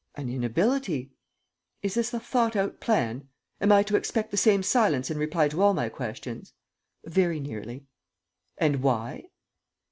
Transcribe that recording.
"An inability." "Is this a thought out plan? Am I to expect the same silence in reply to all my questions?" "Very nearly." "And why?"